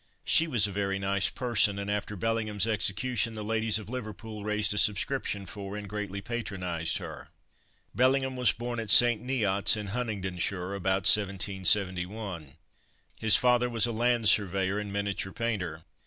She was a very nice person, and after Bellingham's execution the ladies of Liverpool raised a subscription for, and greatly patronized her. Bellingham was born at St. Neot's, in Huntingdonshire, about 1771. His father was a land surveyor and miniature painter.